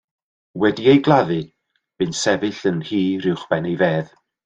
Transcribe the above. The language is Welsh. Wedi ei gladdu, bu'n sefyll yn hir uwch ben ei fedd.